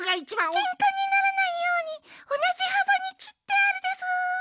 ケンカにならないようにおなじはばにきってあるでスー。